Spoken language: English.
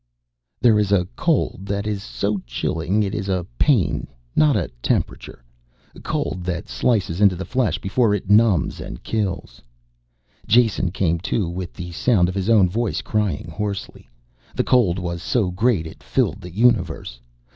There is a cold that is so chilling it is a pain not a temperature. Cold that slices into the flesh before it numbs and kills. Jason came to with the sound of his own voice crying hoarsely. The cold was so great it filled the universe.